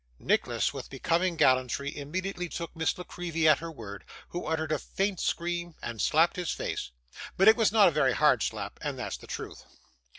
Nicholas, with becoming gallantry, immediately took Miss La Creevy at her word, who uttered a faint scream and slapped his face; but it was not a very hard slap, and that's the truth.